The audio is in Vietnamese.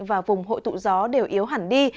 và vùng hội tụ gió đều yếu hẳn đi